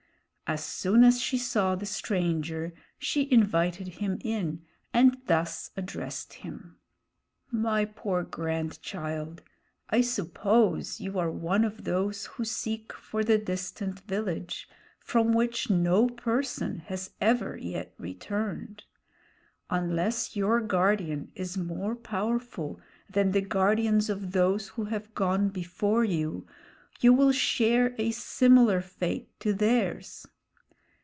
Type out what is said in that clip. As soon as she saw the stranger, she invited him in, and thus addressed him: "My poor grandchild, I suppose you are one of those who seek for the distant village, from which no person has ever yet returned. Unless your guardian is more powerful than the guardians of those who have gone before you, you will share a similar fate to theirs.